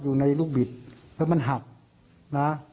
ว่ามันหักนะ